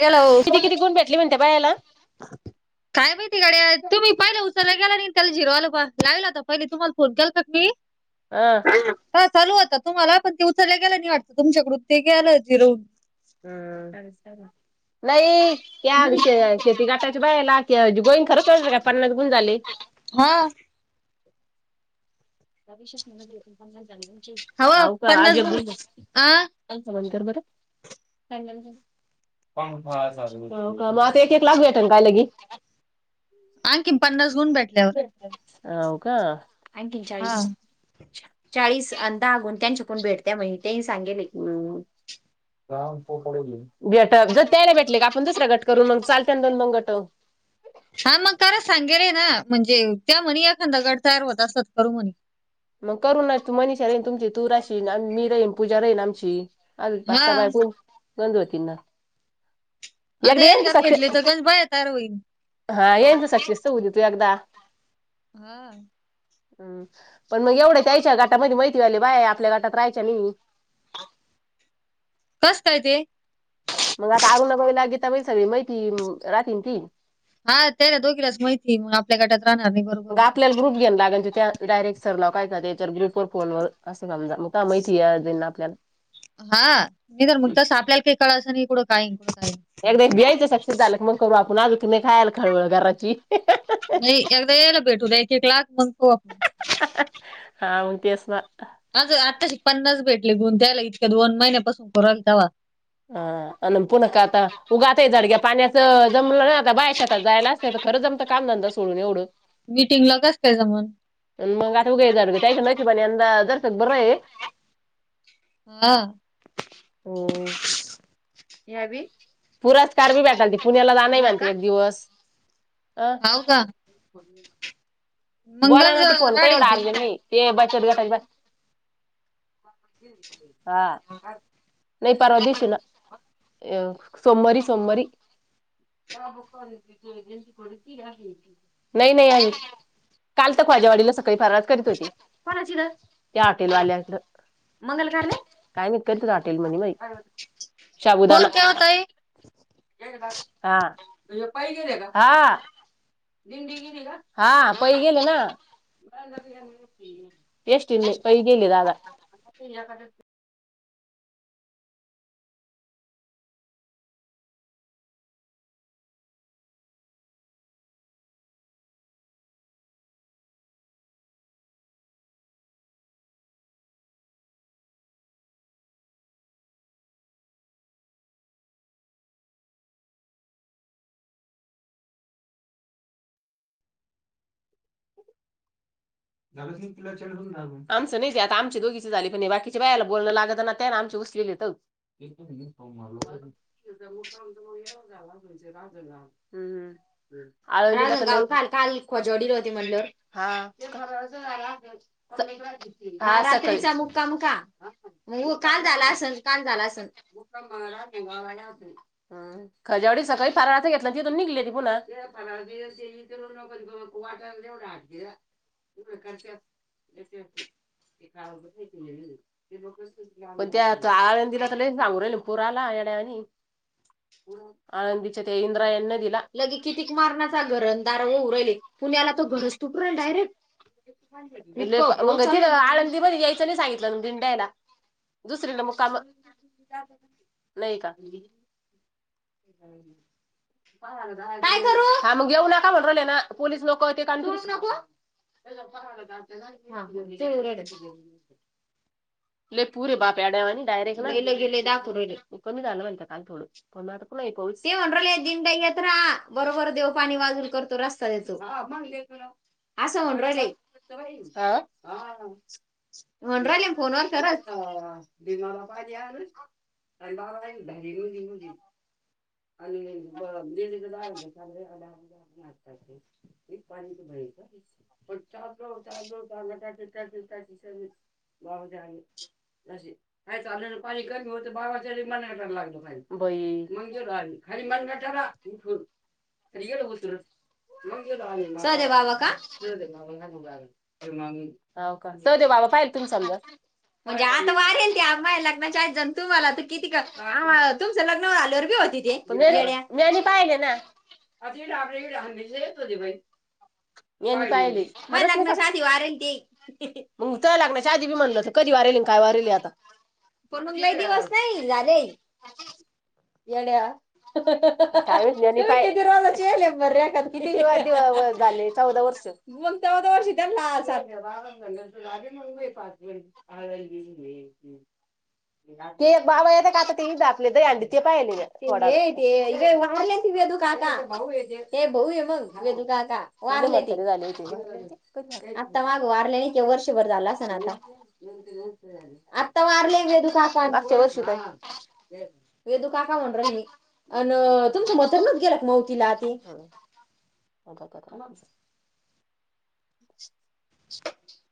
Hello किती किती गुण भेटले म्हणते बायाला काय माहिती गड्या तुम्ही पहिला उचलला गेला नाही त्याला झिरो आल पा लावला होता पहिले तुम्हाला फोन केल का मी अह. हा चालू होता तुम्हाला पण ते उचलल्या गेला नाही वाटतं तुमच्याकडून ते गेलं झिरो होऊन. हम्र नाही या शेती गटाच्या बायला कि गोईन खरंच काय पन्नास गुण झाले. हा. श पन्ना हवं का पन्नास आजग गुण बंद आ कर बर. मग आता एक एक लाख भेट ना काय लगी. आणंखीन पन्नास गुण भेट हो का आणखीन हा चाळीस चाळीस अंदा आगून त्यांच्याकून भेटत्या म त्यांनी सांगेले. भेट ज त्याला भेटले का आपण दुसरा गट करू मग चालत्याल दोन दोन गट हा मग कार सांगेल आहे ना म्हणजे त्या म्हणी एखादा गट तयार होत असेल तर करू म्हणी मग करू ना तू मनीषा राहीन तुमची तू राशीन मी राहीन पूजा राहीन आमची अजून पाच हा सहा बायका पण गंज होतीन ना आता एकदा हेच यांचं जर का भेटले सक्सेस तर गंज बाया तयार होतील हा येनच सक्सेस तर होऊ दे तू एकदा हा हम पण मग एवढ होईल त्यायच्या गटामध्ये माहिती वाले बायेते आपल्या गटात राहायच्या नाही कस काय ते मग आता [inaudible] लागेता सगळी माहिती राह ती हा ते ना दोघीलाच माहिती आहे मग आपल्या गटात राहणार नाही ब मग आपल्याला ग्रुप घेन लागायची त्या त डायरेक्ट सर लोकायचा का त्याच्यावर ग्रुपवर फोन वर असं समजा मग तेव्हा माहिती येजाइन आपल्याला हा नाही तर मग तसं आपल्याला काही कळाचं नाही इकडं काय इकड काय एकदा यायचं सक्सेस झाल मग करू आपण आजूक काय नाही खळवळ कराची नाही एकदा येला भेटू दे एक एक लाख मग तो - हा हा तेस ना. आज आत्ताशी पन्नास भेटले गुण द्यायला इतक्या दोन महिन्यापासून करू राहिलो तवा - हा आणि पुून्हा आता उगाात झाडग्या पाण्याचं जमलं नाही आता बाया शेतात जाएल असतील- तर खरं जमत तर काम नधंदा सोडून एवढ- मीटिंगला कसं काय जमलं? मग आता उग हे झालं का? त्यांच्या नशिबानं यंदा जरासक बरंय. हा पुराचं कारवी भेटान पुण्याला जाण म्हणती एक दिवस. जाव का? मग बोला गंज ना ते फोन काय राडे एवढ होते. अर्जेंट नाही. ते बचत गटाच्या बा- हा नाही परवा दिवशी ना- अ सोमारी सोमारी नाही नाही अजून- काल तर ख्वाज्यावाडीला सकाळी फारज करीत होती. कोणाच्या इथं? त्या हॉटेल वाल्याच. मंगल कार्यालयत, काय माहित काहीतरी हॉटेल म्हणी बाई. कोण शाबुदना. त्या ओ ताई? हा पायी गेले का? हा. दिंडी गेली का? हा. पै गेले ना. एसटी नी नहीं, पै गेले दादा. आमं नाहीे आता आमच्या दोघीच झाली पण नाही बाकीच्या बायाला बोलणं लागत ना त्या आमची ग. ता [unintelligible] [unintelligible] हम काल खजोडीर होती म्हणलं. ह [unintelligible] रात्रीचा मुक्काम का! म काल झाला असल काल झाला असल ह खजावडी सकाळी पारळाचा घेतला त इथून निघली ती पुन्हा. वाटेऊ आट ग [unintelligible] ते [unintelligible] पण त्या आळ दिला तर ल सांगू राहिल पूर आला येड्यावानी. [inaudible] आळंदीच्या त्या इंद्रा यांना दिला लगे कितीक मारण्याचा घरंदार व उरहिली. पुण्याला तर गर तुटून डायरेक्ट. त आळंदीमध्ये यायचं नाही सांगितलं दिड्यायला. दुसरीकडे मग काम नाही का. हम्! काय करू हा मग घेऊ नका म्हणले ना पोलीस नको ते काणच नको. ह [unintelligible] पुरे बाप अडा्यावा आणि डायरेक्ट गेले दाख कमी झालं म्ह का. को [unintelligible] ते म्हण राले दिंडा यत राहा बरोबर देव पाणी वाजूल करतो रस्ता देतो. असं होन रले. म्हण रा फोनवर खरच. [unintelligible] आणि ब [unintelligible] पाणी त मिळे का? पो पोट क बाव [unintelligible] ज काय चाललेलं पाणी कमी होतं बाबाच्या मनाय पला लागलं पाण बाई. मग गेल आ खरी मणलाठून ख गेल होत र. र बाबा का बाबा का [unintelligible] सोदे बाबा [unintelligible] म्हणजे आता वारेल ते आम्हा लग्नच्या आहेत जण तुम्हाला तर किती तुमचं लग्न झा. हो तेनी पाहिले ना. [unintelligible] मीना पाहिले माझ्या लग्नाच्या आधी वारले न ते. मग त लागण्याच्या आधी बी म्हणल ते कधी वारेल काय वारेल आता. पण का दिवस नाही जा नाही. येडया. किती रजाचेले रे किती दि झाले चौदा वर्ष. मग चौदा वर्षी त्या चालंच. [unintelligible] [inaudible] ते एक बाबा येत का आता ते [unintelligible] ते पाहि म ते वाारले तदु काका हे बऊ ये मग दु काका. वारले ते, आता माग वारले आणि किवा वर्षभर झाला असं ना आता. आता वारले ग दुकाका वसत. व दू का का म्हण राल मी अन तुमचं मथर मच गेला मावतीला ते. होम [unintelligible] [inaudible]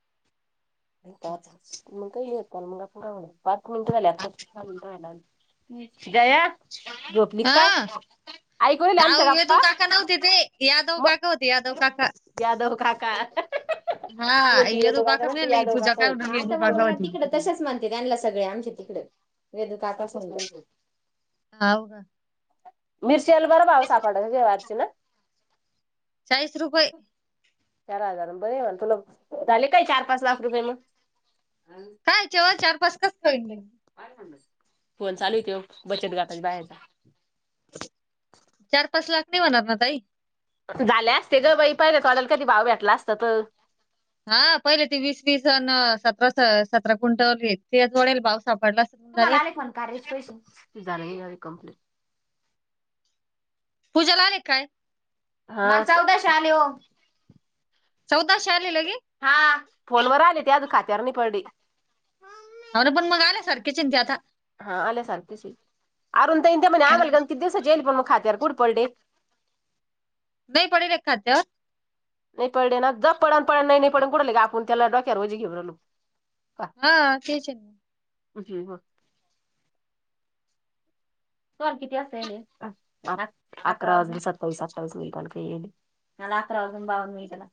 मग काही येत मग पु पाच मिनिट झाली आताहा मिनट. जया झोपली काय हां, ऐकलेल्या अहो आमच्या यदू गप्पा. काका नव्हते ते. यादव म काका होते यादव काका. यादव काका ती हां, म्हणते यदू यदव काका नसत मेले यादव पूजा काका काय होते. म्हणून हा यदू आता म काका म होते. तिकडच तशाच म्हणते त्यांला सगळे आमच्या तिकडे. वेदू काकाच म्हणत्यात. [unintelligible] मिरच्याला बरं भाव सापडला तुझ्या व अर्चना. चाळीस रुपये चार हजार बरी आहे म. तुला झाले काय चार पाच लाख रुपये मग. कायच्याव्ह चार पाच कसकाय होईन. फोन चालूये तो बचत गटाच्या बायांचा. चार पाच लाख नाही होणार ना ताई. झाले असते ग बाई पाहिले तोड्याला कधी भाव भेटला असता तर. हा पहिले ते वीस तीस जण सतरा सतरा कुंटवली ते तोडेल भाव सापडला. तर झाली तुम्हाला आले असती. पण कार्याचे पैसे. झाल नाही अजुन कंप्लीट. पूजाला आले काय? हा चौदाशे आले वो. चौदाशे आले लगेच. हा फोनवर आले ते अजून खात्यावर नाही पडले. हाव ना पण मग ते आल्या सारखेच आहे ना आता. हा आल्या सारखेच आहे. आरूण ताईंते म्हणे हा. आम्हाला गण किती दिवसांचे ईयेल आहे. पण मग खात्यावर कुठ पडले. नाही पडेल आहे खात्यावर. नाही पडले ना. जा पडन पडन नाही नाही पडण. आपण कुठे लगे आपण त्याला डोक्यार वजी घेऊ रायलो. हा तेच आहे ना. [unintelligible] तुम्हाला किती वाजता ईयेल आहे. अकरा वाजून सत्तावीस अठ्ठावीस मिनिटांनी ईयेल आहे. मला अकरा वाजून बावन्न मिनिटाला.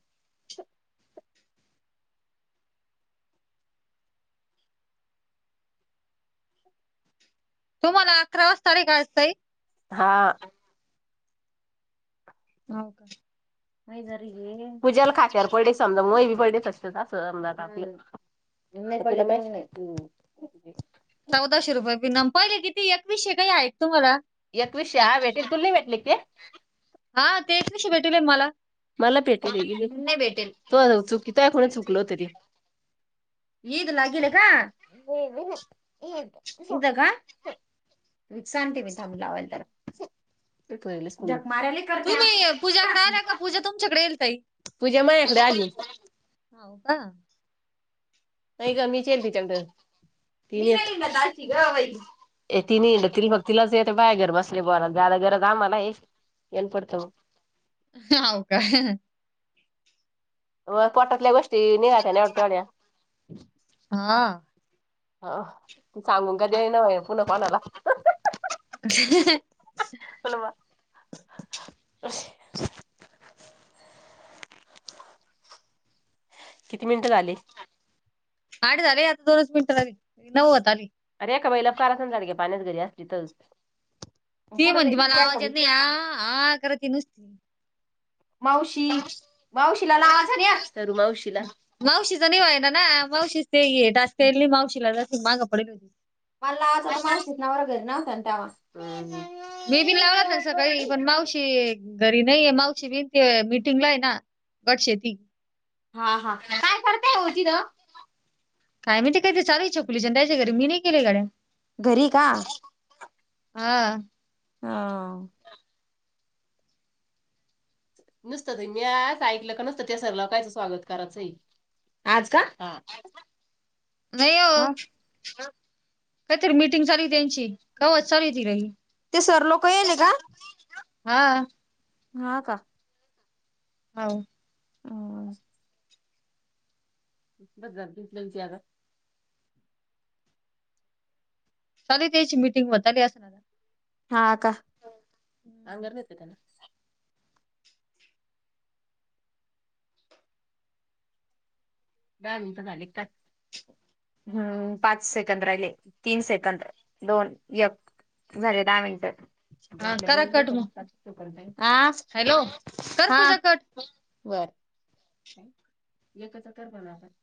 तुम्हाला अकरा वाजता आली का सई. हा हाव का मै जरी पूज्याला खात्यार पडे समजा. मु बी पडेच असते असं समजा आपल. [unintelligible] चौदाशे रुपये पिन पहिले किती एकवीसशे काही आहेत तुम्हाला. एकवीसशे आहे भेटल. तुल नाही भेटले का ते. हा ते एकव्वीशे भेटेलय ना मला. मला भेटेल आहे. नाही भेटेल. तुझ्या जवळ चुकी तोय चुकल होत ते. ईद लागेल का? इथं का सांगते मी थांब लावायला त्याला. झकमारायले तुम्ही पूजाकडे आल्या का, पूजा तुमच्याकडे ईयेल आहे ताई. पूज्या मायाकडे आली. हाव का नाही ग मीच ईयेल आहे तिच्याकड. ती नाही हिंडत तिलाच येते बाया घर बसले बोलायला. जादा गरज आम्हाला आहे येन पडतं मग. हाव का पोटातल्या गोष्टी निघत्या ना एवढ्या तेवढ्या. हा ह सांगून का देईना व्हय पुन्हा कोणाला. [unintelligible] [unintelligible] किती मिनिटं झाले. आठ झाले आता दोनच मिनट नववत आली अरे काका बईलाव काडे पाण्यात घरी अस तिथ ती म्हणते मला आवाज येत नाही आ करत नुसती माऊशी मावशीचा निव आहे ना ना मावशी ते येत तेल्ली मावशीला ज मागं पडेल होती मला आं आता माग फिस नाव घरी नवतं तेव्हा मी बी लावलात सकाळी पण मावशी घरी नाहीये मावशी बिनती मिीटिंग ला आहे ना गट शेती हा हा काय करता हेवती र काय मी ते कायरी चालयचछकुलीच्यान त्याच्या घरी मी नाही केले गड्या घरी का हा हा नसतं मी आच ऐकलं का नसतं त्या सरलावकायचं स्वागत कराचंही आज का नाहीो हा कायतरी मीटिंग सारी त्यांची कवत सारी ती रही ते सर लोक येले का हा हा का हो ह बस जास लगची चाले त्याची मीटिंग मली असणार हा का अंगरेतना द मिटं झाले काच हम्म पाच सेकंद राहिले तीन सेकंद दोन य झाले दहा मिचात हा करा कट मग हा हॅलो कर हा पूजा कट. बरं एकच तर बघ आपण